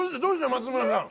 松村さん。